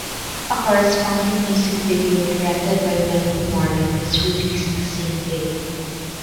A corresponding music video directed by Wendy Morgan was released the same day.